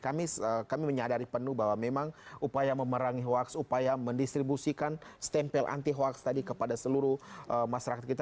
kami menyadari penuh bahwa memang upaya memerangi hoax upaya mendistribusikan stempel anti hoax tadi kepada seluruh masyarakat kita